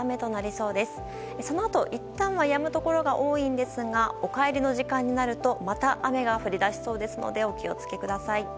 そのあと、いったんはやむところが多いんですがお帰りの時間になるとまた雨が降りそうですのでお気を付けください。